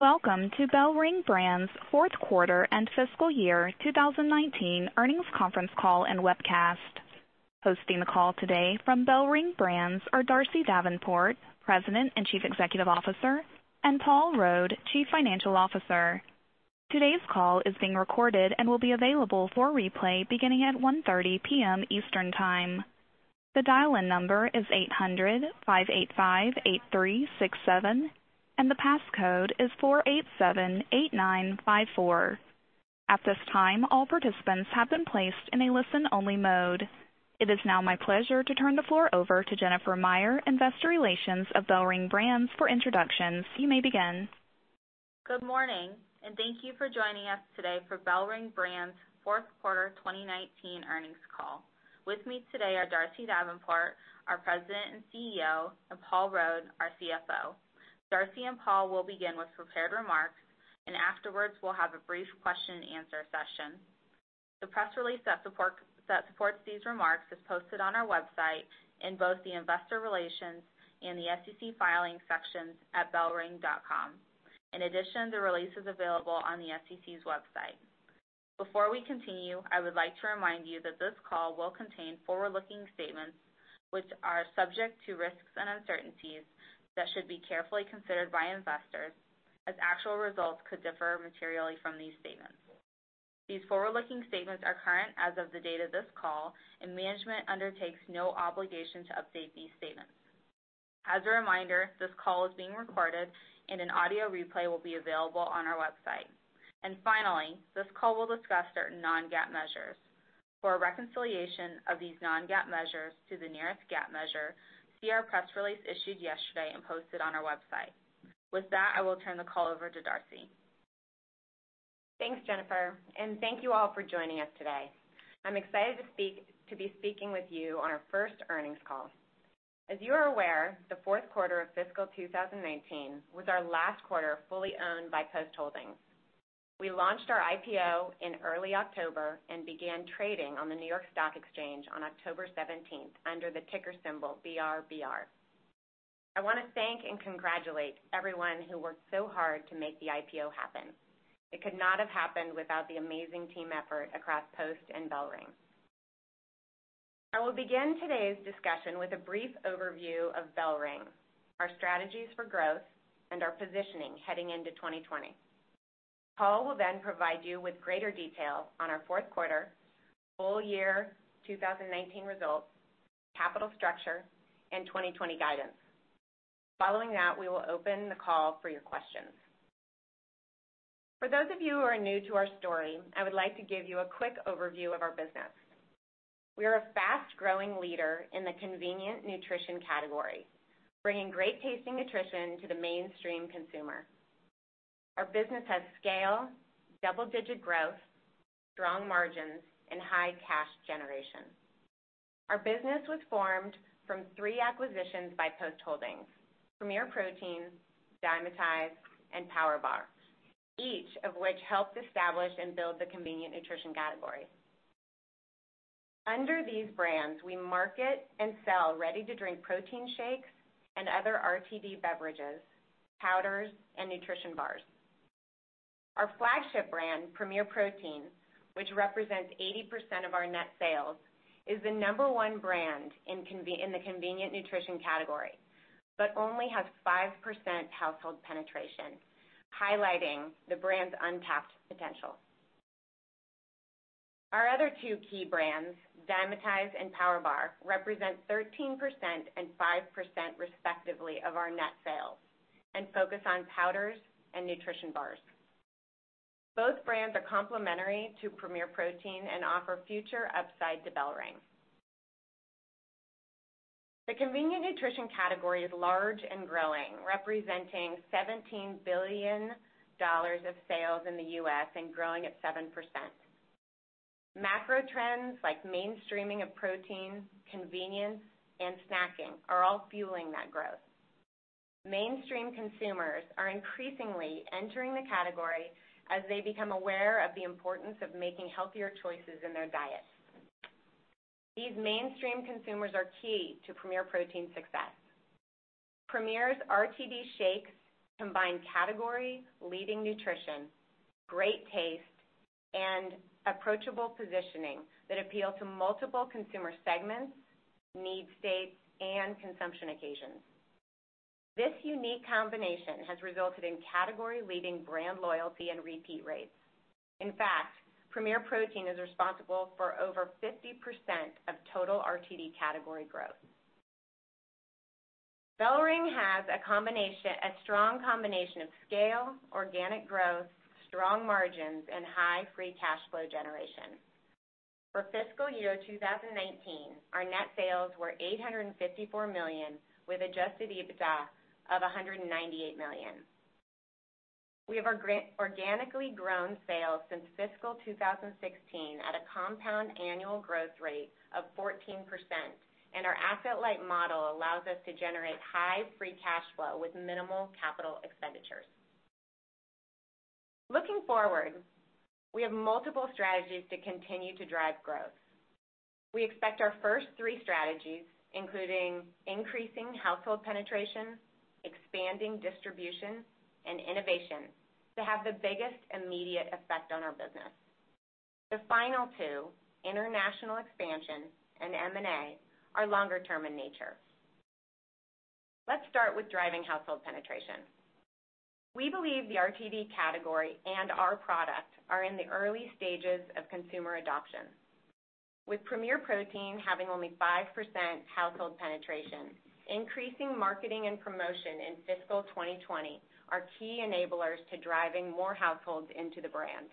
Welcome to BellRing Brands' fourth quarter and fiscal year 2019 earnings conference call and webcast. Hosting the call today from BellRing Brands are Darcy Davenport, President and Chief Executive Officer, and Paul Rode, Chief Financial Officer. Today's call is being recorded and will be available for replay beginning at 1:30 P.M. Eastern Time. The dial-in number is 800-585-8367, and the passcode is 4878954. At this time, all participants have been placed in a listen-only mode. It is now my pleasure to turn the floor over to Jennifer Meyer, Investor Relations of BellRing Brands for introductions. You may begin. Good morning, and thank you for joining us today for BellRing Brands' fourth quarter 2019 earnings call. With me today are Darcy Davenport, our President and CEO, and Paul Rode, our CFO. Darcy and Paul will begin with prepared remarks. Afterwards, we'll have a brief question and answer session. The press release that supports these remarks is posted on our website in both the investor relations and the SEC filings sections at bellring.com. In addition, the release is available on the SEC's website. Before we continue, I would like to remind you that this call will contain forward-looking statements which are subject to risks and uncertainties that should be carefully considered by investors, as actual results could differ materially from these statements. These forward-looking statements are current as of the date of this call. Management undertakes no obligation to update these statements. As a reminder, this call is being recorded and an audio replay will be available on our website. Finally, this call will discuss certain non-GAAP measures. For a reconciliation of these non-GAAP measures to the nearest GAAP measure, see our press release issued yesterday and posted on our website. With that, I will turn the call over to Darcy. Thanks, Jennifer. Thank you all for joining us today. I'm excited to be speaking with you on our first earnings call. As you are aware, the fourth quarter of fiscal 2019 was our last quarter fully owned by Post Holdings. We launched our IPO in early October and began trading on the New York Stock Exchange on October 17th under the ticker symbol BRBR. I want to thank and congratulate everyone who worked so hard to make the IPO happen. It could not have happened without the amazing team effort across Post and BellRing. I will begin today's discussion with a brief overview of BellRing, our strategies for growth, and our positioning heading into 2020. Paul will then provide you with greater detail on our fourth quarter, full year 2019 results, capital structure, and 2020 guidance. Following that, we will open the call for your questions. For those of you who are new to our story, I would like to give you a quick overview of our business. We are a fast-growing leader in the convenient nutrition category, bringing great-tasting nutrition to the mainstream consumer. Our business has scale, double-digit growth, strong margins, and high cash generation. Our business was formed from three acquisitions by Post Holdings, Premier Protein, Dymatize, and PowerBar, each of which helped establish and build the convenient nutrition category. Under these brands, we market and sell ready-to-drink protein shakes and other RTD beverages, powders, and nutrition bars. Our flagship brand, Premier Protein, which represents 80% of our net sales, is the number one brand in the convenient nutrition category but only has 5% household penetration, highlighting the brand's untapped potential. Our other two key brands, Dymatize and PowerBar, represent 13% and 5%, respectively, of our net sales and focus on powders and nutrition bars. Both brands are complementary to Premier Protein and offer future upside to BellRing. The convenient nutrition category is large and growing, representing $17 billion of sales in the U.S. and growing at 7%. Macro trends like mainstreaming of protein, convenience, and snacking are all fueling that growth. Mainstream consumers are increasingly entering the category as they become aware of the importance of making healthier choices in their diet. These mainstream consumers are key to Premier Protein's success. Premier's RTD shakes combine category-leading nutrition, great taste, and approachable positioning that appeal to multiple consumer segments, need states, and consumption occasions. This unique combination has resulted in category-leading brand loyalty and repeat rates. In fact, Premier Protein is responsible for over 50% of total RTD category growth. BellRing has a strong combination of scale, organic growth, strong margins, and high free cash flow generation. For fiscal year 2019, our net sales were $854 million with adjusted EBITDA of $198 million. We have organically grown sales since fiscal 2016 at a compound annual growth rate of 14%, and our asset-light model allows us to generate high free cash flow with minimal capital expenditures. Looking forward, we have multiple strategies to continue to drive growth. We expect our first three strategies, including increasing household penetration, expanding distribution, and innovation, to have the biggest immediate effect on our business. The final two, international expansion and M&A, are longer-term in nature. Let's start with driving household penetration. We believe the RTD category and our product are in the early stages of consumer adoption. With Premier Protein having only 5% household penetration, increasing marketing and promotion in fiscal 2020 are key enablers to driving more households into the brand.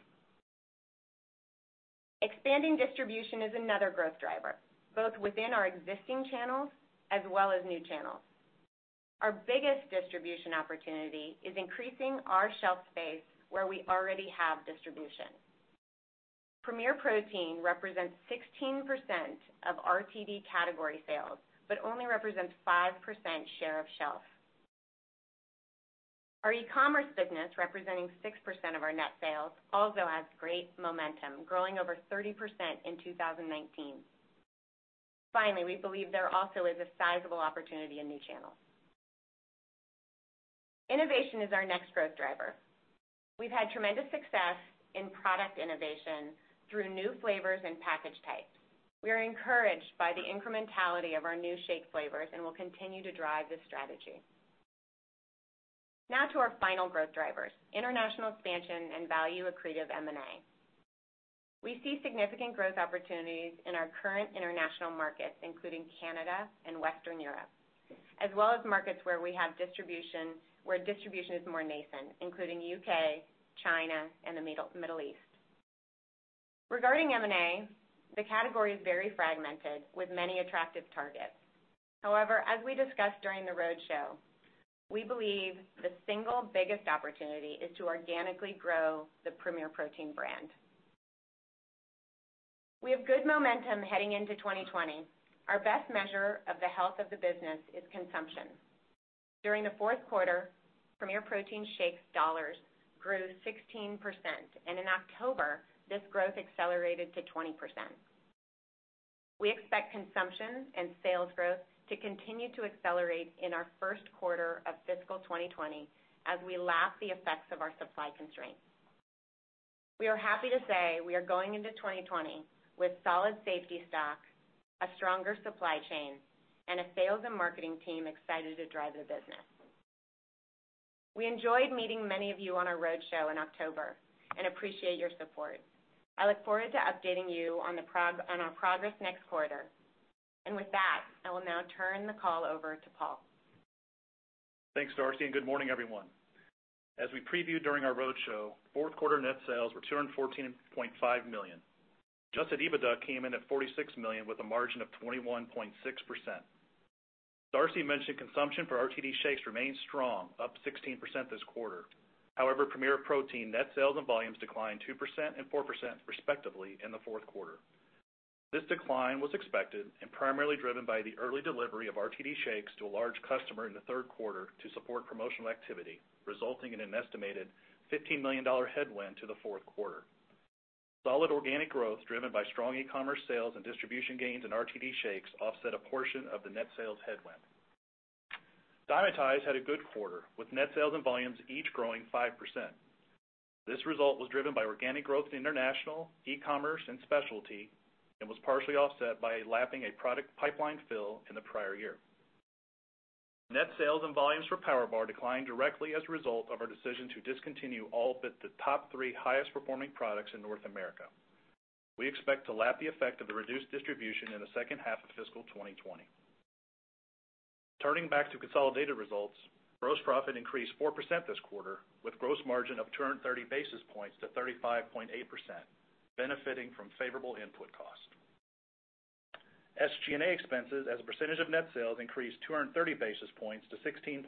Expanding distribution is another growth driver, both within our existing channels as well as new channels. Our biggest distribution opportunity is increasing our shelf space where we already have distribution. Premier Protein represents 16% of RTD category sales but only represents 5% share of shelf. Our e-commerce business, representing 6% of our net sales, also has great momentum, growing over 30% in 2019. Finally, we believe there also is a sizable opportunity in new channels. Innovation is our next growth driver. We've had tremendous success in product innovation through new flavors and package types. We are encouraged by the incrementality of our new shake flavors and will continue to drive this strategy. Now to our final growth drivers, international expansion and value accretive M&A. We see significant growth opportunities in our current international markets, including Canada and Western Europe, as well as markets where distribution is more nascent, including U.K., China, and the Middle East. Regarding M&A, the category is very fragmented with many attractive targets. As we discussed during the roadshow, we believe the single biggest opportunity is to organically grow the Premier Protein brand. We have good momentum heading into 2020. Our best measure of the health of the business is consumption. During the fourth quarter, Premier Protein shakes dollars grew 16%, and in October, this growth accelerated to 20%. We expect consumption and sales growth to continue to accelerate in our first quarter of fiscal 2020 as we lap the effects of our supply constraints. We are happy to say we are going into 2020 with solid safety stock, a stronger supply chain, and a sales and marketing team excited to drive the business. We enjoyed meeting many of you on our roadshow in October and appreciate your support. I look forward to updating you on our progress next quarter. With that, I will now turn the call over to Paul. Thanks, Darcy. Good morning, everyone. As we previewed during our roadshow, fourth quarter net sales were $214.5 million. Adjusted EBITDA came in at $46 million with a margin of 21.6%. Darcy mentioned consumption for RTD shakes remains strong, up 16% this quarter. However, Premier Protein net sales and volumes declined 2% and 4% respectively in the fourth quarter. This decline was expected and primarily driven by the early delivery of RTD shakes to a large customer in the third quarter to support promotional activity, resulting in an estimated $15 million headwind to the fourth quarter. Solid organic growth driven by strong e-commerce sales and distribution gains in RTD shakes offset a portion of the net sales headwind. Dymatize had a good quarter, with net sales and volumes each growing 5%. This result was driven by organic growth in international, e-commerce, and specialty, and was partially offset by lapping a product pipeline fill in the prior year. Net sales and volumes for PowerBar declined directly as a result of our decision to discontinue all but the top three highest performing products in North America. We expect to lap the effect of the reduced distribution in the second half of fiscal 2020. Turning back to consolidated results, gross profit increased 4% this quarter, with gross margin of 230 basis points to 35.8%, benefiting from favorable input costs. SG&A expenses as a percentage of net sales increased 230 basis points to 16.4%.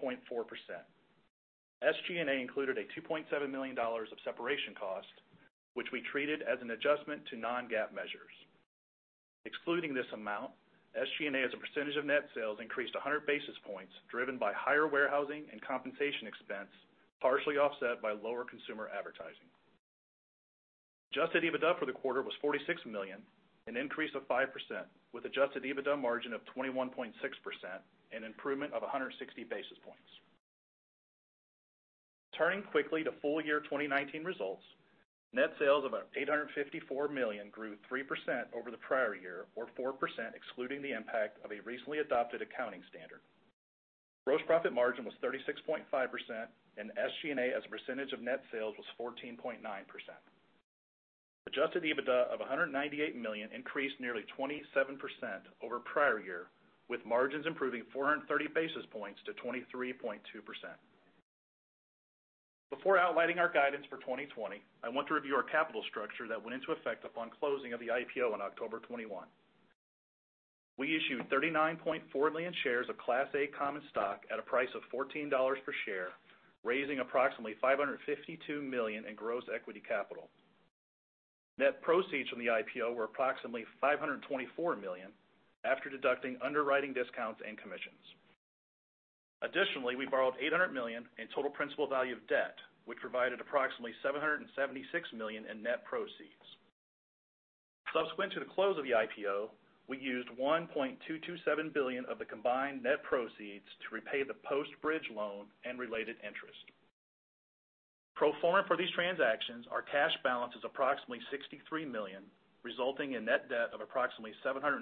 SG&A included a $2.7 million of separation costs, which we treated as an adjustment to non-GAAP measures. Excluding this amount, SG&A as a percentage of net sales increased 100 basis points, driven by higher warehousing and compensation expense, partially offset by lower consumer advertising. Adjusted EBITDA for the quarter was $46 million, an increase of 5%, with adjusted EBITDA margin of 21.6%, an improvement of 160 basis points. Turning quickly to full year 2019 results, net sales of $854 million grew 3% over the prior year or 4% excluding the impact of a recently adopted accounting standard. Gross profit margin was 36.5% and SG&A as a percentage of net sales was 14.9%. Adjusted EBITDA of $198 million increased nearly 27% over prior year, with margins improving 430 basis points to 23.2%. Before outlining our guidance for 2020, I want to review our capital structure that went into effect upon closing of the IPO on October 21. We issued $39.4 million shares of Class A common stock at a price of $14 per share, raising approximately $552 million in gross equity capital. Net proceeds from the IPO were approximately $524 million after deducting underwriting discounts and commissions. Additionally, we borrowed $800 million in total principal value of debt, which provided approximately $776 million in net proceeds. Subsequent to the close of the IPO, we used $1.227 billion of the combined net proceeds to repay the Post bridge loan and related interest. Pro forma for these transactions, our cash balance is approximately $63 million, resulting in net debt of approximately $737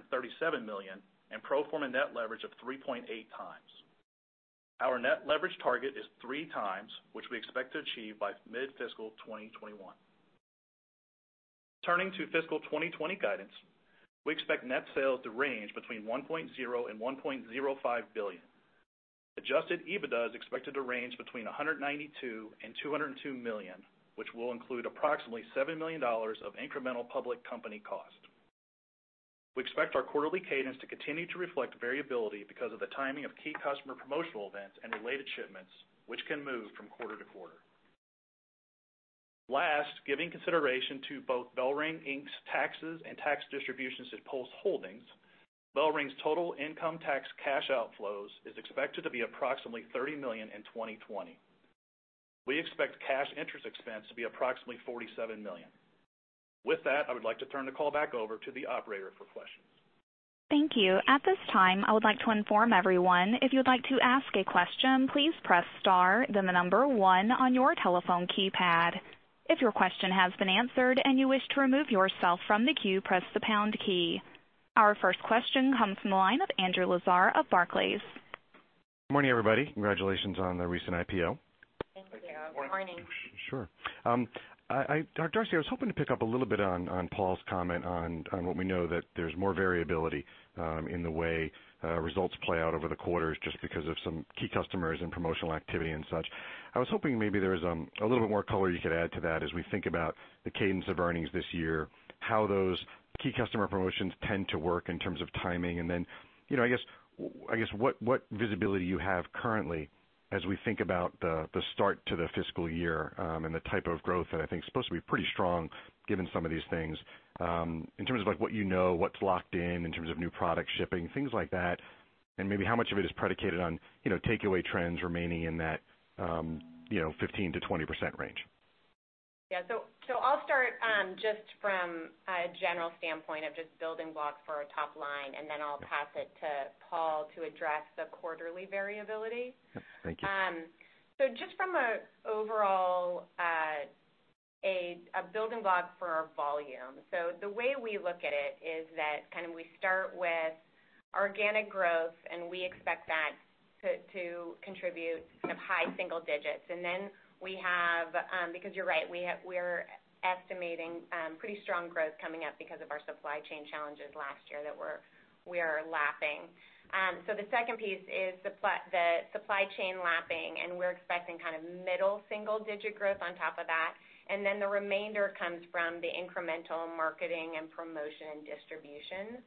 million and pro forma net leverage of 3.8 times. Our net leverage target is three times, which we expect to achieve by mid-fiscal 2021. Turning to fiscal 2020 guidance, we expect net sales to range between $1.0 billion and $1.05 billion. Adjusted EBITDA is expected to range between $192 million and $202 million, which will include approximately $7 million of incremental public company cost. We expect our quarterly cadence to continue to reflect variability because of the timing of key customer promotional events and related shipments, which can move from quarter to quarter. Last, giving consideration to both BellRing Brands, Inc.'s taxes and tax distributions to Post Holdings, BellRing's total income tax cash outflows is expected to be approximately $30 million in 2020. We expect cash interest expense to be approximately $47 million. With that, I would like to turn the call back over to the operator for questions. Thank you. At this time, I would like to inform everyone if you'd like to ask a question, please press star then the number one on your telephone keypad. If your question has been answered and you wish to remove yourself from the queue, press the pound key. Our first question comes from the line of Andrew Lazar of Barclays. Morning, everybody. Congratulations on the recent IPO. Thank you. Morning. Thank you. Morning. Sure. Darcy, I was hoping to pick up a little bit on Paul's comment on what we know that there's more variability in the way results play out over the quarters just because of some key customers and promotional activity and such. I was hoping maybe there was a little bit more color you could add to that as we think about the cadence of earnings this year, how those key customer promotions tend to work in terms of timing, and then I guess what visibility you have currently as we think about the start to the fiscal year and the type of growth that I think is supposed to be pretty strong given some of these things. In terms of what you know, what's locked in terms of new product shipping, things like that, and maybe how much of it is predicated on takeaway trends remaining in that 15%-20% range. Yeah. I'll start just from a general standpoint of just building blocks for our top line, and then I'll pass it to Paul to address the quarterly variability. Yep, thank you. Just from an overall building block for our volume. The way we look at it is that we start with organic growth, and we expect that to contribute high single digits. We have, because you're right, we're estimating pretty strong growth coming up because of our supply chain challenges last year that we are lapping. The second piece is the supply chain lapping, and we're expecting middle single digit growth on top of that, and then the remainder comes from the incremental marketing and promotion and distribution.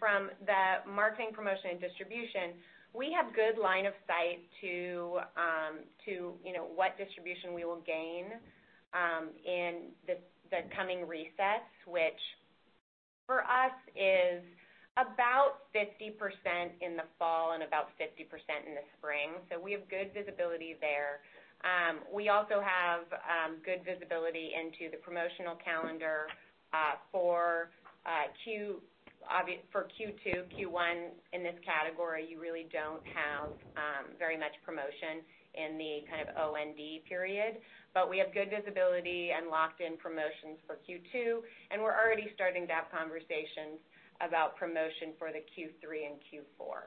From the marketing promotion and distribution, we have good line of sight to what distribution we will gain in the coming resets, which for us is about 50% in the fall and about 50% in the spring. We have good visibility there. We also have good visibility into the promotional calendar for Q2. Q1 in this category, you really don't have very much promotion in the OND period. We have good visibility and locked-in promotions for Q2, and we're already starting to have conversations about promotion for the Q3 and Q4.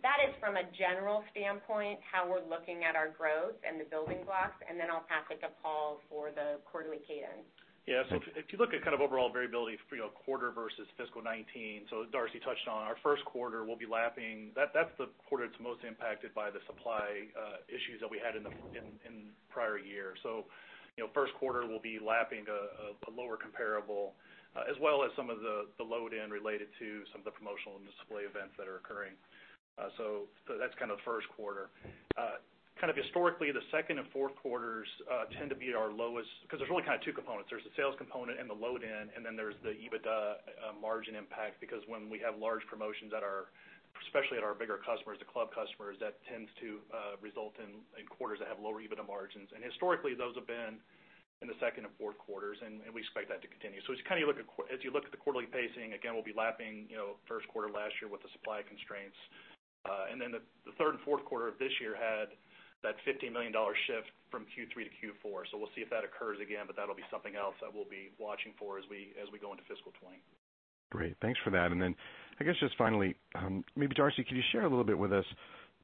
That is from a general standpoint, how we're looking at our growth and the building blocks, and then I'll pass it to Paul for the quarterly cadence. Yeah. If you look at overall variability for quarter versus fiscal 2019, so Darcy touched on our first quarter, we'll be lapping. That's the quarter that's most impacted by the supply issues that we had in prior year. First quarter will be lapping a lower comparable, as well as some of the load-in related to some of the promotional and display events that are occurring. That's the first quarter. Historically, the second and fourth quarters tend to be at our lowest, because there's really two components. There's the sales component and the load-in, and then there's the EBITDA margin impact, because when we have large promotions, especially at our bigger customers, the club customers, that tends to result in quarters that have lower EBITDA margins. Historically, those have been in the second and fourth quarters, and we expect that to continue. As you look at the quarterly pacing, again, we'll be lapping first quarter last year with the supply constraints. The third and fourth quarter of this year had that $50 million shift from Q3 to Q4. We'll see if that occurs again, but that'll be something else that we'll be watching for as we go into fiscal 2020. Great. Thanks for that. Then I guess just finally, maybe Darcy, could you share a little bit with us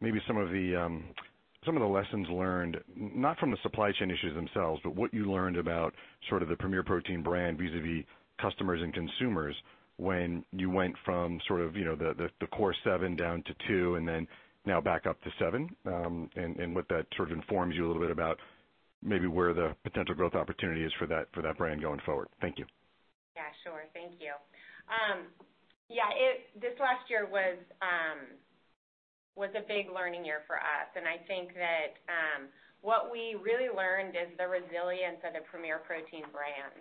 maybe some of the lessons learned, not from the supply chain issues themselves, but what you learned about the Premier Protein brand vis-a-vis customers and consumers when you went from the core seven down to two and then now back up to seven, and what that informs you a little bit about maybe where the potential growth opportunity is for that brand going forward. Thank you. Yeah, sure. Thank you. This last year was a big learning year for us, and I think that what we really learned is the resilience of the Premier Protein brand.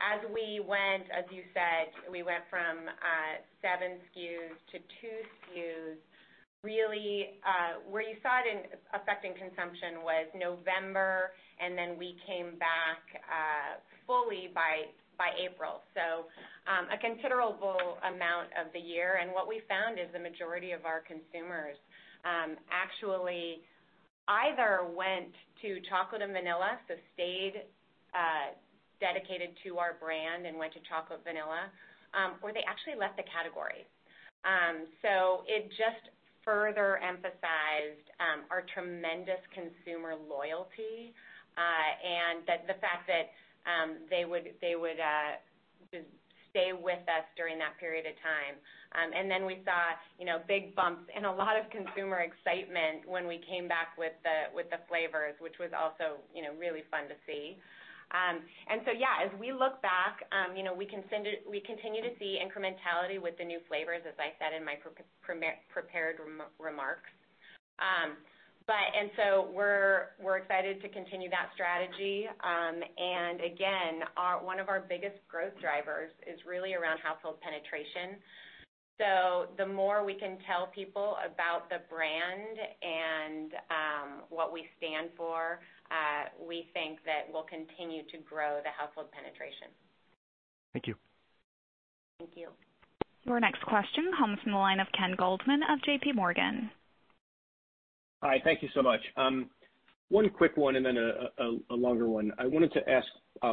As we went, as you said, we went from seven SKUs to two SKUs. Really, where you saw it affecting consumption was November, and then we came back fully by April, so a considerable amount of the year. What we found is the majority of our consumers actually either went to chocolate and vanilla, so stayed dedicated to our brand and went to chocolate vanilla, or they actually left the category. It just further emphasized our tremendous consumer loyalty, and the fact that they would just stay with us during that period of time. Then we saw big bumps and a lot of consumer excitement when we came back with the flavors, which was also really fun to see. So yeah, as we look back, we continue to see incrementality with the new flavors, as I said in my prepared remarks. So we're excited to continue that strategy. Again, one of our biggest growth drivers is really around household penetration. The more we can tell people about the brand and what we stand for, we think that we'll continue to grow the household penetration. Thank you. Thank you. Your next question comes from the line of Ken Goldman of JPMorgan. Hi. Thank you so much. One quick one and then a longer one. I wanted to ask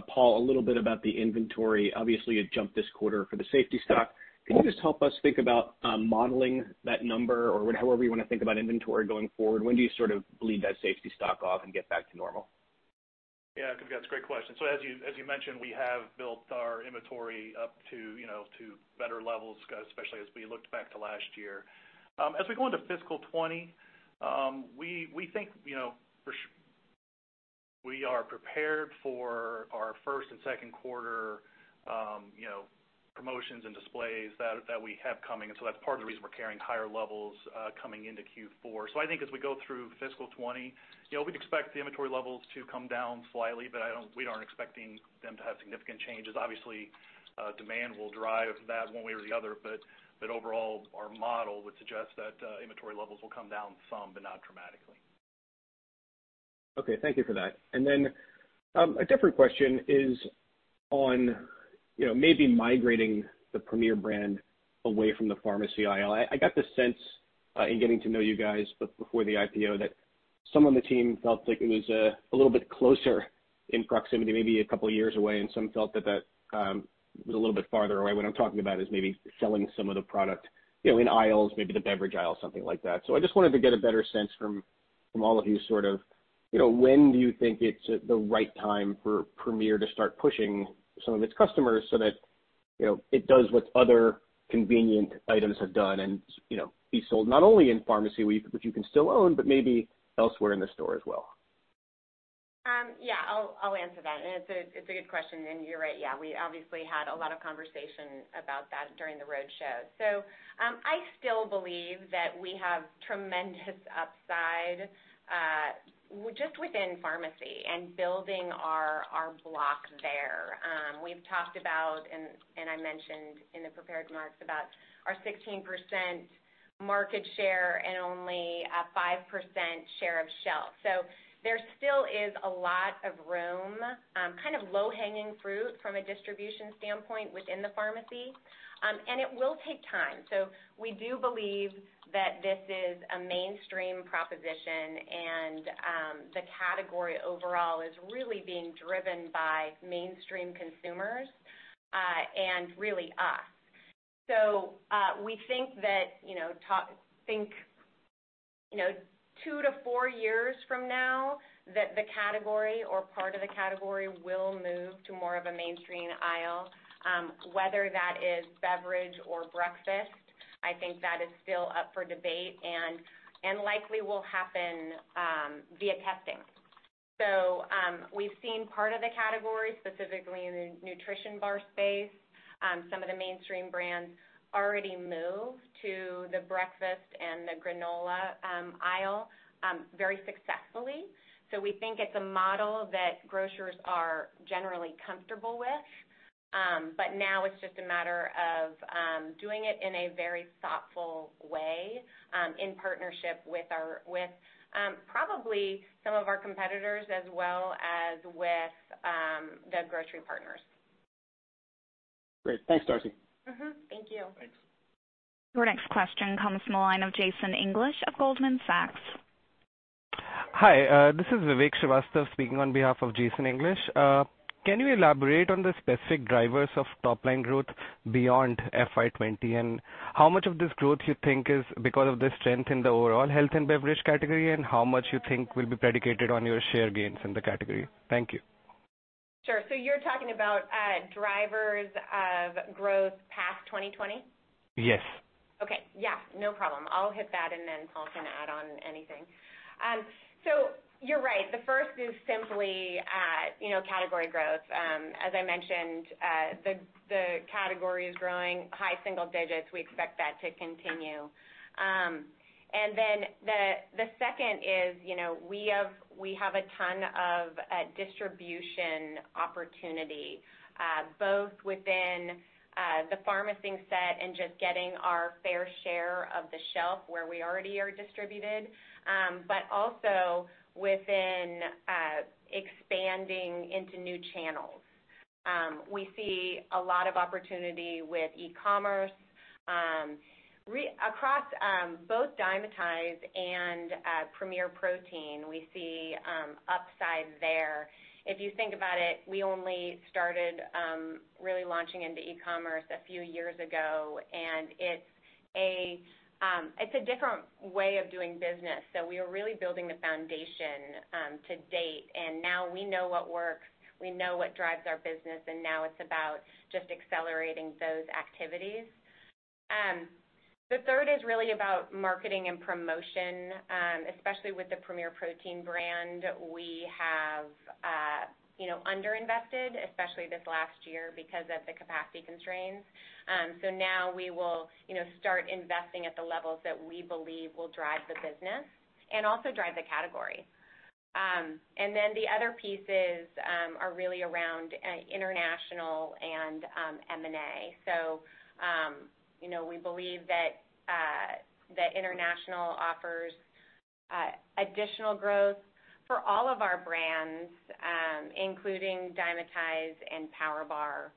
Paul a little bit about the inventory. Obviously, it jumped this quarter for the safety stock. Can you just help us think about modeling that number or however you want to think about inventory going forward? When do you sort of bleed that safety stock off and get back to normal? Yeah, that's a great question. As you mentioned, we have built our inventory up to better levels, especially as we looked back to last year. As we go into fiscal 2020, we think we are prepared for our first and second quarter promotions and displays that we have coming. That's part of the reason we're carrying higher levels coming into Q4. I think as we go through fiscal 2020, we'd expect the inventory levels to come down slightly, but we aren't expecting them to have significant changes. Obviously, demand will drive that one way or the other, but overall, our model would suggest that inventory levels will come down some, but not dramatically. Okay. Thank you for that. A different question is on maybe migrating the Premier brand away from the pharmacy aisle. I got the sense in getting to know you guys before the IPO, that some on the team felt like it was a little bit closer in proximity, maybe a couple of years away, and some felt that was a little bit farther away. What I'm talking about is maybe selling some of the product in aisles, maybe the beverage aisle, something like that. I just wanted to get a better sense from all of you sort of when do you think it's the right time for Premier to start pushing some of its customers so that it does what other convenient items have done and be sold not only in pharmacy, which you can still own, but maybe elsewhere in the store as well? Yeah, I'll answer that. It's a good question, and you're right. Yeah, we obviously had a lot of conversation about that during the roadshow. I still believe that we have tremendous upside just within pharmacy and building our block there. We've talked about, and I mentioned in the prepared remarks about our 16% market share and only a 5% share of shelf. There still is a lot of room, kind of low-hanging fruit from a distribution standpoint within the pharmacy. It will take time. We do believe that this is a mainstream proposition, and the category overall is really being driven by mainstream consumers, and really us. We think that two to four years from now that the category or part of the category will move to more of a mainstream aisle. Whether that is beverage or breakfast, I think that is still up for debate, and likely will happen via testing. We've seen part of the category, specifically in the nutrition bar space, some of the mainstream brands already move to the breakfast and the granola aisle very successfully. We think it's a model that grocers are generally comfortable with. Now it's just a matter of doing it in a very thoughtful way in partnership with probably some of our competitors, as well as with the grocery partners. Great. Thanks, Darcy. Thank you. Thanks. Your next question comes from the line of Jason English of Goldman Sachs. Hi, this is Vivek Srivastava speaking on behalf of Jason English. Can you elaborate on the specific drivers of top-line growth beyond FY 2020? How much of this growth you think is because of the strength in the overall health and beverage category, and how much you think will be predicated on your share gains in the category? Thank you. Sure. You're talking about drivers of growth past 2020? Yes. Okay. Yeah, no problem. I'll hit that, and then Paul can add on anything. You're right. The first is simply category growth. As I mentioned, the category is growing high single digits. We expect that to continue. The second is, we have a ton of distribution opportunity, both within the pharmacy set and just getting our fair share of the shelf where we already are distributed, but also within expanding into new channels. We see a lot of opportunity with e-commerce. Across both Dymatize and Premier Protein, we see upside there. If you think about it, we only started really launching into e-commerce a few years ago, and it's a different way of doing business. We are really building the foundation to date, and now we know what works, we know what drives our business, and now it's about just accelerating those activities. The third is really about marketing and promotion, especially with the Premier Protein brand. We have under-invested, especially this last year, because of the capacity constraints. Now we will start investing at the levels that we believe will drive the business and also drive the category. Then the other pieces are really around international and M&A. We believe that international offers additional growth for all of our brands, including Dymatize and PowerBar.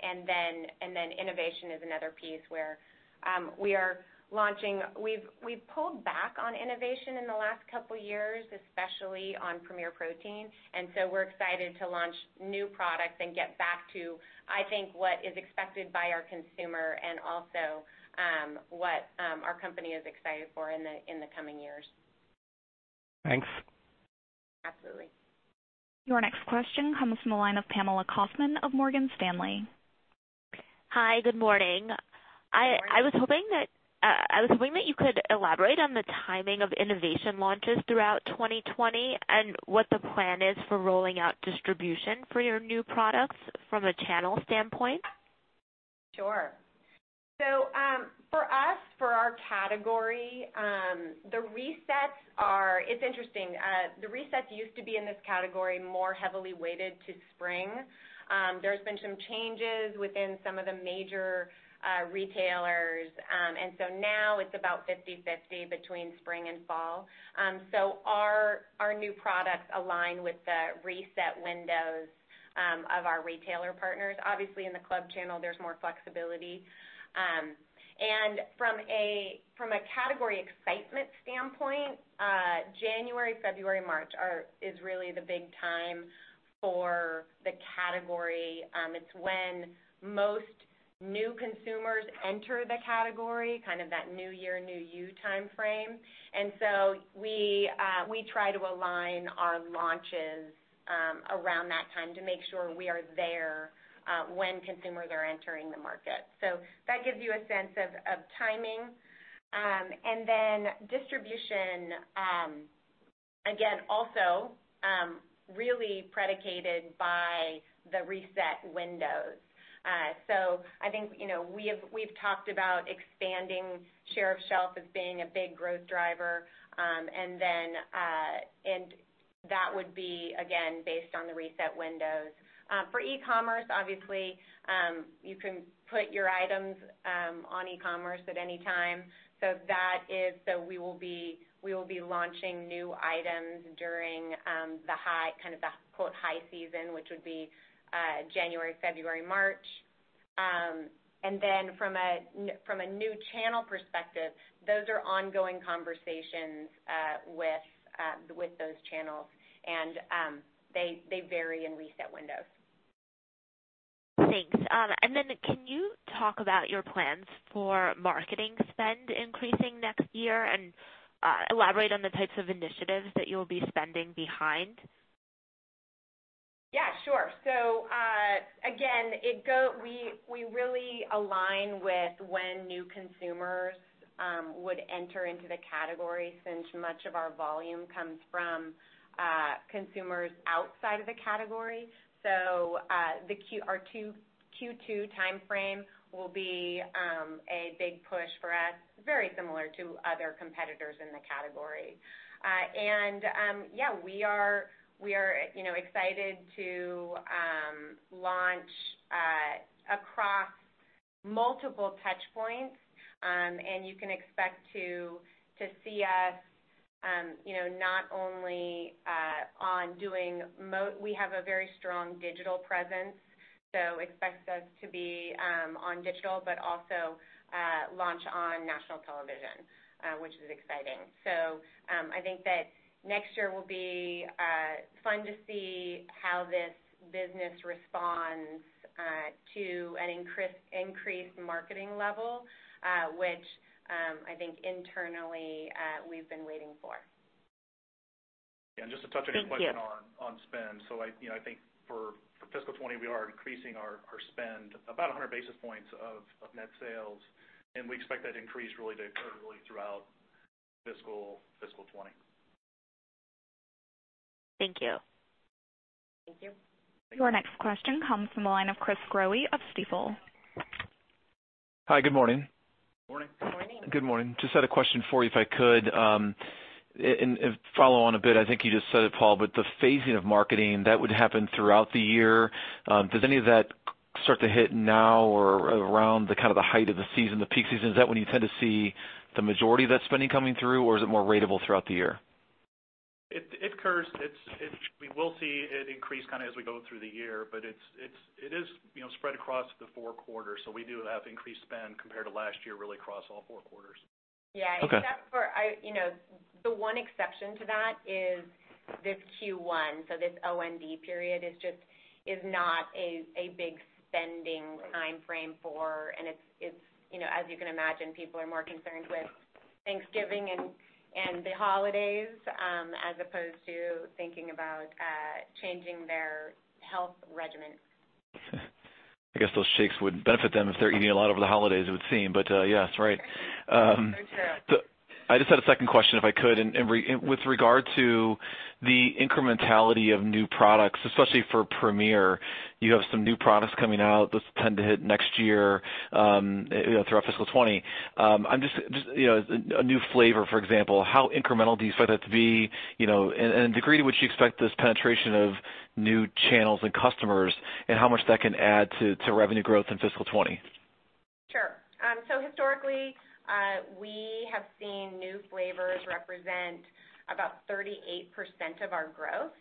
Then innovation is another piece where we are launching. We've pulled back on innovation in the last couple of years, especially on Premier Protein, and so we're excited to launch new products and get back to, I think, what is expected by our consumer and also what our company is excited for in the coming years. Thanks. Absolutely. Your next question comes from the line of Pamela Kaufman of Morgan Stanley. Hi, good morning. Good morning. I was hoping that you could elaborate on the timing of innovation launches throughout 2020 and what the plan is for rolling out distribution for your new products from a channel standpoint? Sure. For us, for our category, the resets, it's interesting. The resets used to be in this category more heavily weighted to spring. There's been some changes within some of the major retailers. Now it's about 50/50 between spring and fall. Our new products align with the reset windows of our retailer partners. Obviously, in the club channel, there's more flexibility. From a category excitement standpoint, January, February, March is really the big time for the category. It's when most new consumers enter the category, kind of that new year, new you timeframe. We try to align our launches around that time to make sure we are there when consumers are entering the market. That gives you a sense of timing. Then distribution, again, also really predicated by the reset windows. I think we've talked about expanding share of shelf as being a big growth driver, and that would be, again, based on the reset windows. For e-commerce, obviously, you can put your items on e-commerce at any time. We will be launching new items during the high, kind of the quote, high season, which would be January, February, March. From a new channel perspective, those are ongoing conversations with those channels, and they vary in reset windows. Thanks. Then can you talk about your plans for marketing spend increasing next year and elaborate on the types of initiatives that you'll be spending behind? Sure. Again, we really align with when new consumers would enter into the category since much of our volume comes from consumers outside of the category. Our Q2 timeframe will be a big push for us, very similar to other competitors in the category. We are excited to launch across multiple touchpoints, and you can expect to see us not only on we have a very strong digital presence, so expect us to be on digital, but also launch on national television, which is exciting. I think that next year will be fun to see how this business responds to an increased marketing level, which, I think internally, we've been waiting for. Just to touch on your question on spend. I think for fiscal 2020, we are increasing our spend about 100 basis points of net sales, and we expect that to increase really throughout fiscal 2020. Thank you. Thank you. Your next question comes from the line of Chris Growe of Stifel. Hi, good morning. Good morning. Good morning. Good morning. Just had a question for you if I could. Follow on a bit, I think you just said it, Paul, the phasing of marketing, that would happen throughout the year. Does any of that start to hit now or around the height of the season, the peak season? Is that when you tend to see the majority of that spending coming through, or is it more ratable throughout the year? It curves. We will see it increase as we go through the year, but it is spread across the four quarters. We do have increased spend compared to last year, really across all four quarters. Okay. Yeah, the one exception to that is this Q1. This OND period is not a big spending timeframe. As you can imagine, people are more concerned with Thanksgiving and the holidays, as opposed to thinking about changing their health regimen. I guess those shakes would benefit them if they're eating a lot over the holidays, it would seem. Yes, right. For sure. I just had a second question, if I could. With regard to the incrementality of new products, especially for Premier. You have some new products coming out that tend to hit next year, throughout fiscal 2020. A new flavor, for example, how incremental do you expect that to be, and the degree to which you expect this penetration of new channels and customers, and how much that can add to revenue growth in fiscal 2020? Sure. Historically, we have seen new flavors represent about 38% of our growth.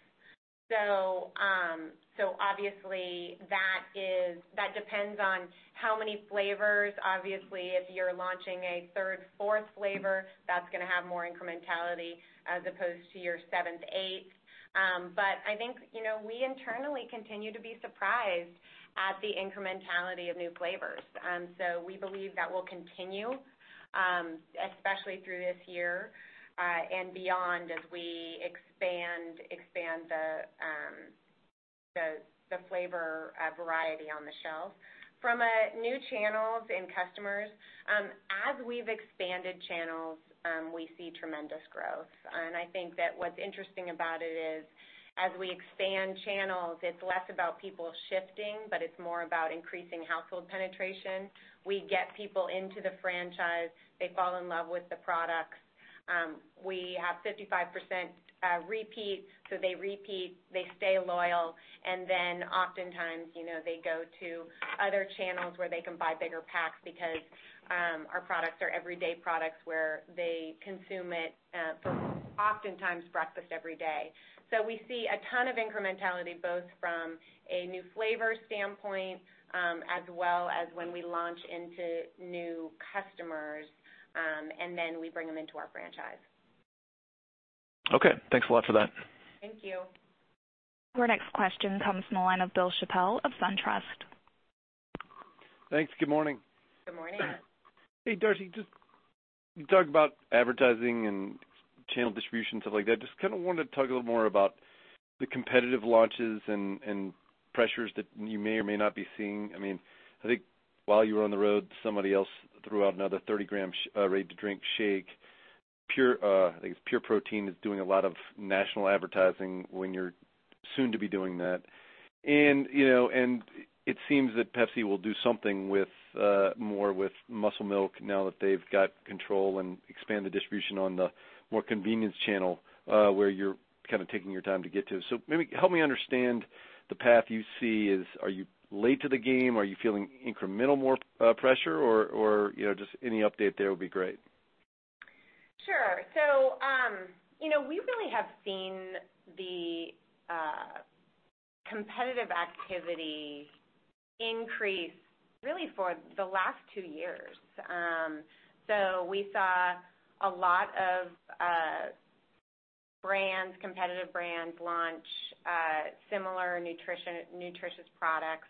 Obviously, that depends on how many flavors. Obviously, if you're launching a third, fourth flavor, that's going to have more incrementality as opposed to your seventh, eighth. I think we internally continue to be surprised at the incrementality of new flavors. We believe that will continue, especially through this year, and beyond as we expand the flavor variety on the shelf. From a new channels and customers, as we've expanded channels, we see tremendous growth. I think that what's interesting about it is, as we expand channels, it's less about people shifting, but it's more about increasing household penetration. We get people into the franchise, they fall in love with the products. We have 55% repeat. They repeat, they stay loyal, and then oftentimes, they go to other channels where they can buy bigger packs because our products are everyday products where they consume it for oftentimes breakfast every day. We see a ton of incrementality, both from a new flavor standpoint, as well as when we launch into new customers, and then we bring them into our franchise. Okay, thanks a lot for that. Thank you. Our next question comes from the line of Bill Chappell of SunTrust. Thanks. Good morning. Good morning. Hey, Darcy, just you talked about advertising and channel distribution, stuff like that. Just wanted to talk a little more about the competitive launches and pressures that you may or may not be seeing. I think while you were on the road, somebody else threw out another 30-gram ready-to-drink shake. I think it's Pure Protein is doing a lot of national advertising when you're soon to be doing that. It seems that Pepsi will do something more with Muscle Milk now that they've got control and expand the distribution on the more convenience channel, where you're taking your time to get to. Maybe help me understand the path you see. Are you late to the game? Are you feeling incrementally more pressure, or just any update there would be great. Sure. We really have seen the competitive activity increase really for the last 2 years. We saw a lot of brands, competitive brands, launch similar nutritious products,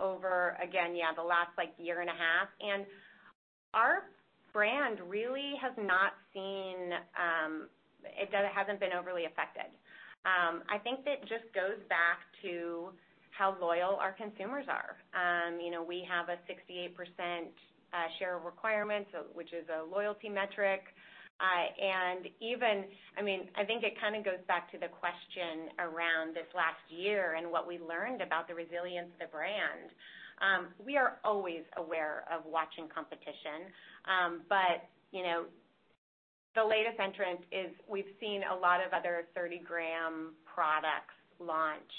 over again, yeah, the last year and a half. Our brand really hasn't been overly affected. I think that just goes back to how loyal our consumers are. We have a 68% share of requirement, which is a loyalty metric. Even, I think it goes back to the question around this last year and what we learned about the resilience of the brand. We are always aware of watching competition. The latest entrant is we've seen a lot of other 30 gram products launch.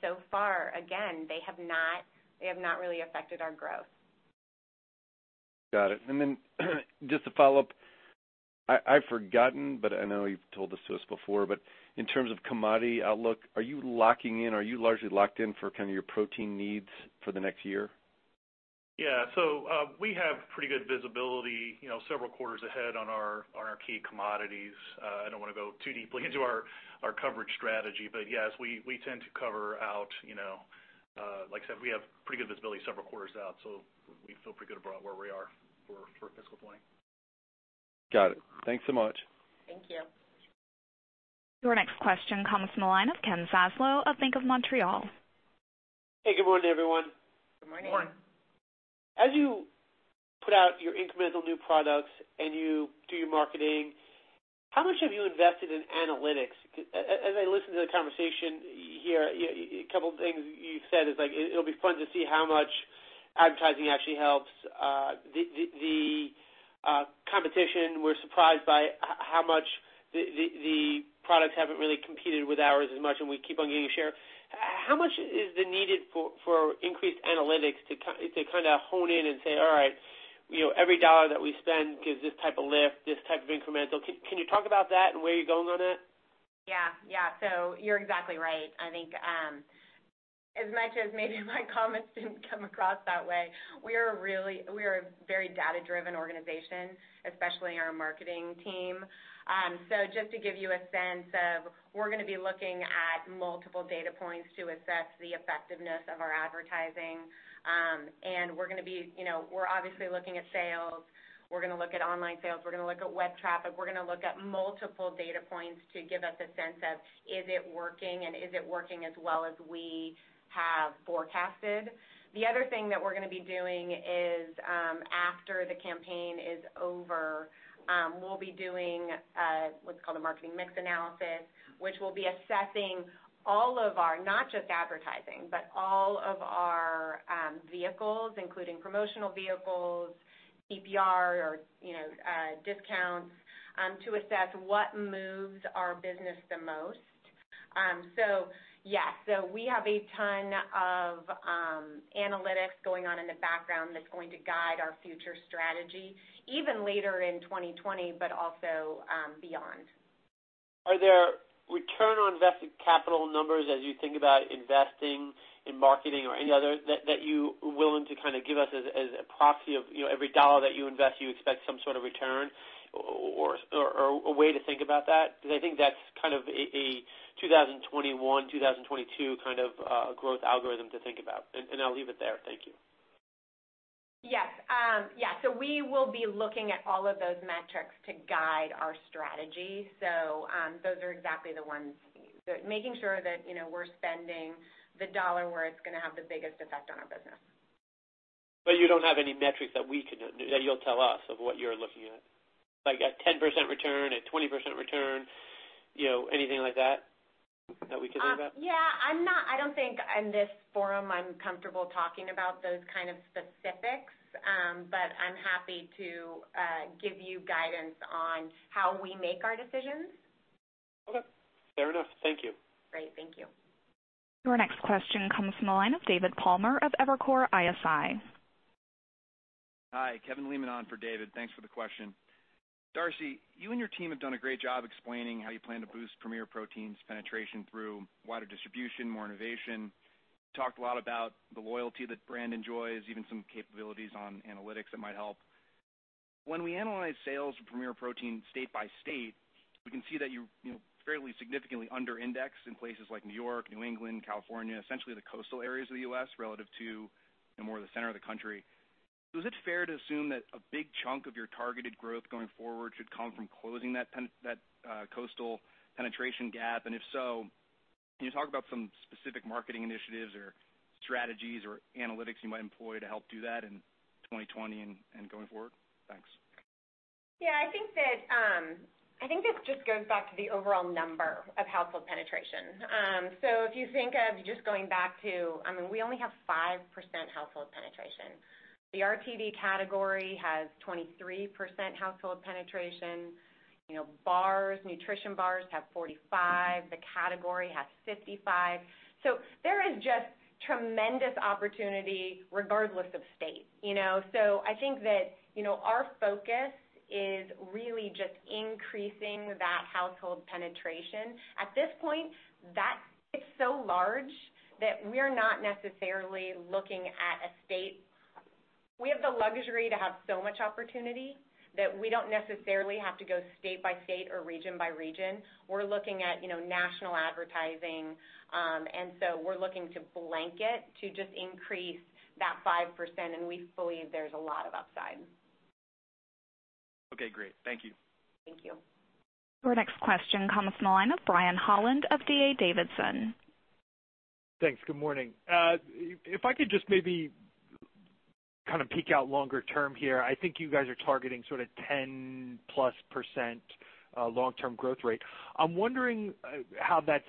So far, again, they have not really affected our growth. Got it. Just to follow up, I've forgotten, but I know you've told this to us before, but in terms of commodity outlook, are you locking in? Are you largely locked in for your protein needs for the next year? Yeah. We have pretty good visibility several quarters ahead on our key commodities. I don't want to go too deeply into our coverage strategy, but yes, we tend to cover out, like I said, we have pretty good visibility several quarters out, so we feel pretty good about where we are for fiscal 2020. Got it. Thanks so much. Thank you. Your next question comes from the line of Ken Zaslow of BMO Capital Markets. Hey, good morning, everyone. Good morning. Good morning. As you put out your incremental new products and you do your marketing, how much have you invested in analytics? As I listen to the conversation here, a couple of things you've said is like, "It'll be fun to see how much advertising actually helps." The competition, we're surprised by how much the products haven't really competed with ours as much, and we keep on gaining share. How much is the need for increased analytics to kind of hone in and say, "All right, every dollar that we spend gives this type of lift, this type of incremental." Can you talk about that and where you're going on it? Yeah. You're exactly right. I think as much as maybe my comments didn't come across that way, we are a very data-driven organization, especially our marketing team. Just to give you a sense of, we're going to be looking at multiple data points to assess the effectiveness of our advertising. We're obviously looking at sales. We're going to look at online sales. We're going to look at web traffic. We're going to look at multiple data points to give us a sense of, is it working, and is it working as well as we have forecasted? The other thing that we're going to be doing is, after the campaign is over, we'll be doing what's called a marketing mix analysis, which will be assessing all of our, not just advertising, but all of our vehicles, including promotional vehicles, PPR or discounts, to assess what moves our business the most. Yeah, so we have a ton of analytics going on in the background that's going to guide our future strategy, even later in 2020, but also beyond. Are there return on invested capital numbers as you think about investing in marketing or any other, that you willing to kind of give us as a proxy of every dollar that you invest, you expect some sort of return or a way to think about that? I think that's kind of a 2021, 2022 kind of growth algorithm to think about, and I'll leave it there. Thank you. Yes. We will be looking at all of those metrics to guide our strategy. Those are exactly the ones. Making sure that we're spending the dollar where it's going to have the biggest effect on our business. You don't have any metrics that you'll tell us of what you're looking at, like a 10% return, a 20% return, anything like that we can think about? Yeah. I don't think in this forum I'm comfortable talking about those kind of specifics, but I'm happy to give you guidance on how we make our decisions. Okay. Fair enough. Thank you. Great. Thank you. Your next question comes from the line of David Palmer of Evercore ISI. Hi, Kevin Lehman on for David. Thanks for the question. Darcy, you and your team have done a great job explaining how you plan to boost Premier Protein's penetration through wider distribution, more innovation. You talked a lot about the loyalty that brand enjoys, even some capabilities on analytics that might help. When we analyze sales for Premier Protein state by state, we can see that you're fairly significantly under indexed in places like New York, New England, California, essentially the coastal areas of the U.S. relative to more the center of the country. Is it fair to assume that a big chunk of your targeted growth going forward should come from closing that coastal penetration gap? If so, can you talk about some specific marketing initiatives or strategies or analytics you might employ to help do that in 2020 and going forward? Thanks. This just goes back to the overall number of household penetration. We only have 5% household penetration. The RTD category has 23% household penetration. Nutrition bars have 45%. The category has 55%. There is just tremendous opportunity regardless of state. Our focus is really just increasing that household penetration. At this point, that is so large that we're not necessarily looking at a state. We have the luxury to have so much opportunity that we don't necessarily have to go state by state or region by region. We're looking at national advertising. We're looking to blanket to just increase that 5%, and we believe there's a lot of upside. Okay, great. Thank you. Thank you. Your next question comes from the line of Brian Holland of D.A. Davidson. Thanks. Good morning. If I could just maybe kind of peek out longer term here. I think you guys are targeting sort of 10%+ long-term growth rate. I'm wondering how that's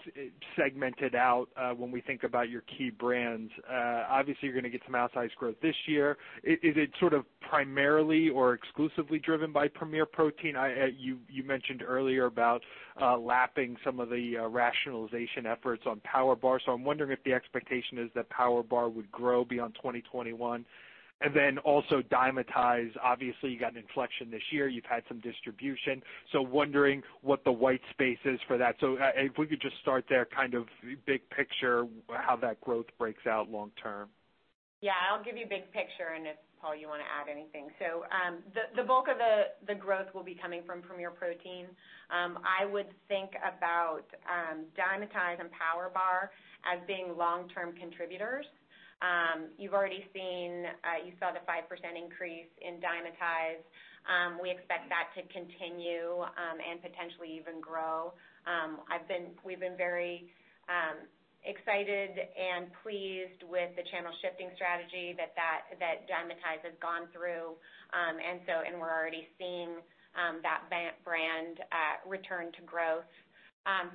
segmented out when we think about your key brands. You're going to get some outsized growth this year. Is it sort of primarily or exclusively driven by Premier Protein? You mentioned earlier about lapping some of the rationalization efforts on PowerBar. I'm wondering if the expectation is that PowerBar would grow beyond 2021. Also Dymatize, obviously, you got an inflection this year. You've had some distribution. Wondering what the white space is for that. If we could just start there kind of big picture how that growth breaks out long term. Yeah, I'll give you big picture and if, Paul, you want to add anything. The bulk of the growth will be coming from Premier Protein. I would think about Dymatize and PowerBar as being long-term contributors. You saw the 5% increase in Dymatize. We expect that to continue and potentially even grow. We've been very excited and pleased with the channel shifting strategy that Dymatize has gone through. We're already seeing that brand return to growth.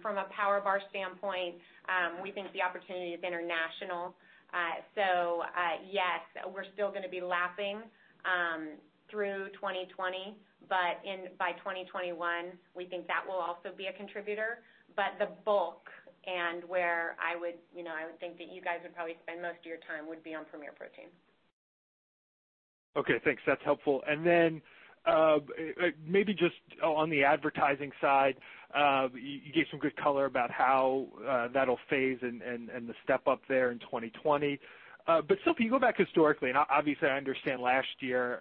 From a PowerBar standpoint, we think the opportunity is international. Yes, we're still going to be lapping through 2020, but by 2021, we think that will also be a contributor, but the bulk and where I would think that you guys would probably spend most of your time would be on Premier Protein. Okay, thanks. That's helpful. Maybe just on the advertising side, you gave some good color about how that'll phase and the step up there in 2020. Still, if you go back historically, and obviously I understand last year,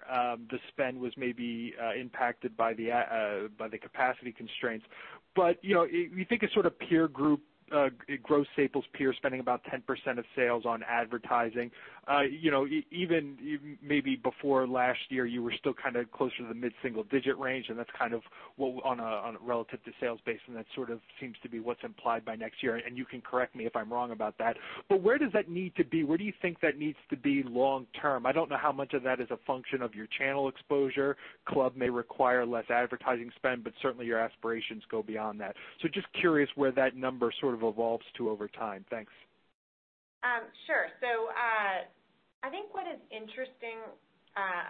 the spend was maybe impacted by the capacity constraints. You think a sort of peer group, gross staples peer spending about 10% of sales on advertising. Even maybe before last year, you were still closer to the mid-single digit range, and that's kind of on a relative to sales base, and that sort of seems to be what's implied by next year. You can correct me if I'm wrong about that. Where does that need to be? Where do you think that needs to be long term? I don't know how much of that is a function of your channel exposure. Club may require less advertising spend, but certainly your aspirations go beyond that. Just curious where that number sort of evolves to over time? Thanks. I think what is interesting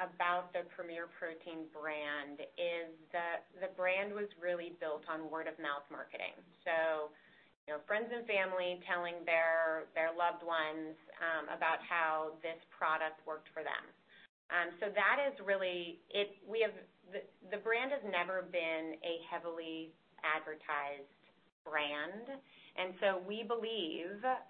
about the Premier Protein brand is that the brand was really built on word-of-mouth marketing. Friends and family telling their loved ones about how this product worked for them. The brand has never been a heavily advertised brand. We believe that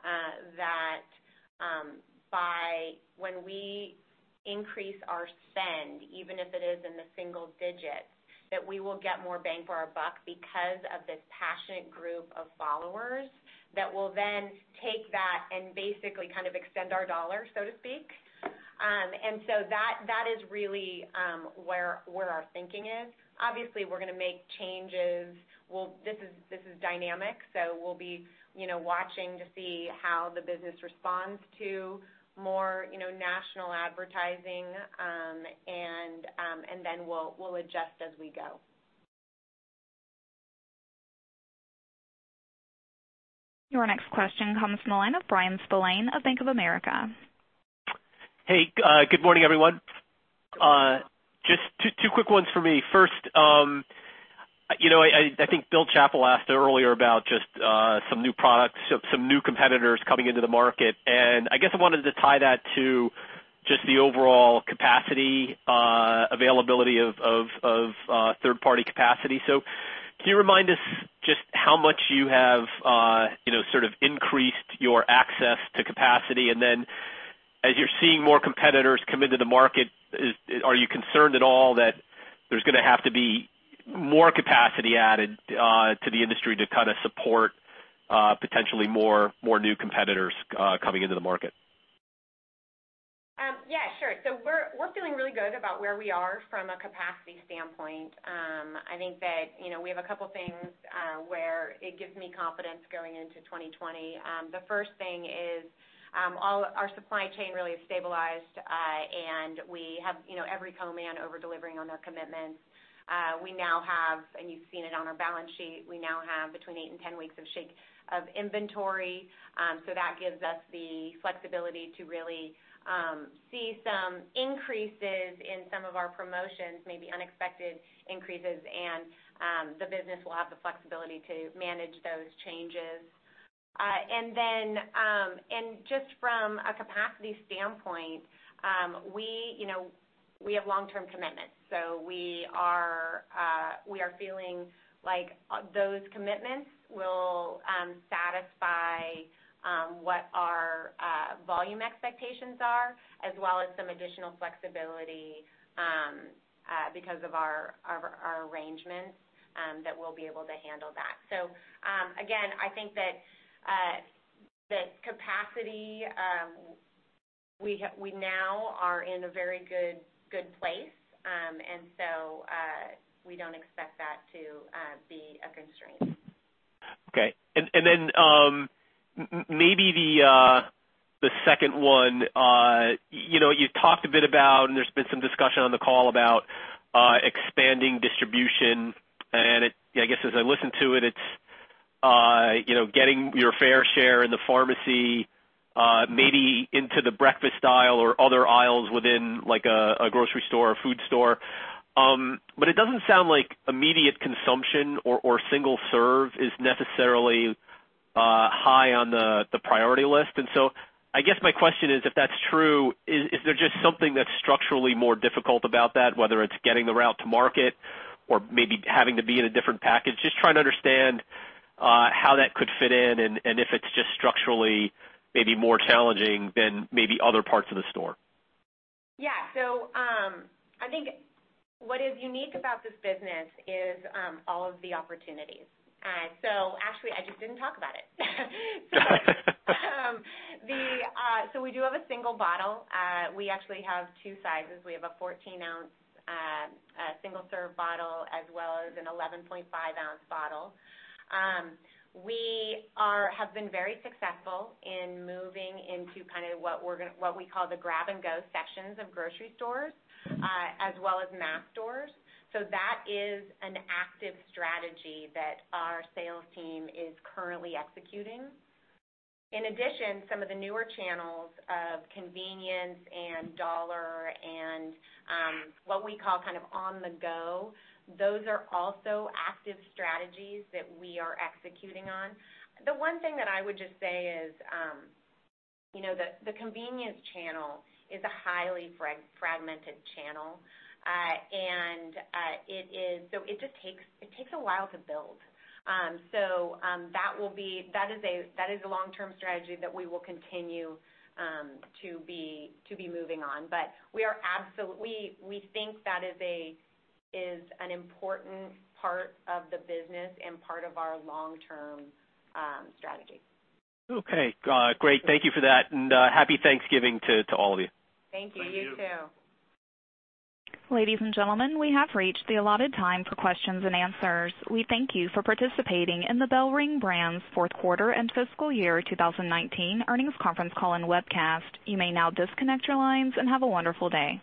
when we increase our spend, even if it is in the single digits, that we will get more bang for our buck because of this passionate group of followers that will then take that and basically extend our dollar, so to speak. That is really where our thinking is. Obviously, we're going to make changes. This is dynamic, so we'll be watching to see how the business responds to more national advertising, and then we'll adjust as we go. Your next question comes from the line of Bryan Spillane of Bank of America. Hey, good morning, everyone. Just two quick ones for me. First, I think Bill Chappell asked earlier about just some new competitors coming into the market, and I guess I wanted to tie that to just the overall capacity availability of third-party capacity. Can you remind us just how much you have increased your access to capacity? And then, as you're seeing more competitors come into the market, are you concerned at all that there's going to have to be more capacity added to the industry to support potentially more new competitors coming into the market? Yeah, sure. We're feeling really good about where we are from a capacity standpoint. I think that we have a couple things where it gives me confidence going into 2020. The first thing is our supply chain really has stabilized, and we have every co-man over-delivering on their commitments. We now have, and you've seen it on our balance sheet, we now have between 8 and 10 weeks of inventory. That gives us the flexibility to really see some increases in some of our promotions, maybe unexpected increases, and the business will have the flexibility to manage those changes. Just from a capacity standpoint, we have long-term commitments. We are feeling like those commitments will satisfy what our volume expectations are as well as some additional flexibility because of our arrangements that we'll be able to handle that. Again, I think that capacity, we now are in a very good place. We don't expect that to be a constraint. Okay. Maybe the second one, you've talked a bit about, and there's been some discussion on the call about expanding distribution, and I guess as I listen to it's getting your fair share in the pharmacy, maybe into the breakfast aisle or other aisles within a grocery store or food store. It doesn't sound like immediate consumption or single serve is necessarily high on the priority list. I guess my question is, if that's true, is there just something that's structurally more difficult about that, whether it's getting the route to market or maybe having to be in a different package? Just trying to understand how that could fit in and if it's just structurally, maybe more challenging than maybe other parts of the store. I think what is unique about this business is all of the opportunities. Actually, I just didn't talk about it. We do have a single bottle. We actually have two sizes. We have a 14-ounce single-serve bottle as well as an 11.5-ounce bottle. We have been very successful in moving into what we call the grab-and-go sections of grocery stores as well as mass stores. That is an active strategy that our sales team is currently executing. In addition, some of the newer channels of convenience and dollar and what we call on the go, those are also active strategies that we are executing on. The one thing that I would just say is the convenience channel is a highly fragmented channel. It takes a while to build. That is a long-term strategy that we will continue to be moving on. We think that is an important part of the business and part of our long-term strategy. Okay, great. Thank you for that, and happy Thanksgiving to all of you. Thank you. You too. Ladies and gentlemen, we have reached the allotted time for questions and answers. We thank you for participating in the BellRing Brands fourth quarter and fiscal year 2019 earnings conference call and webcast. You may now disconnect your lines and have a wonderful day.